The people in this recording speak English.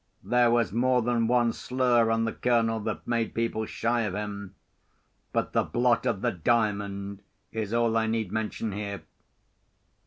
There was more than one slur on the Colonel that made people shy of him; but the blot of the Diamond is all I need mention here.